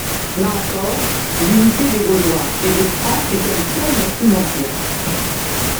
Là encore, l'unité des Gaulois et des Francs est un thème primordial.